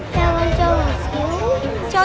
cho con chơi một chút